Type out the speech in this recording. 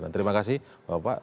terima kasih bapak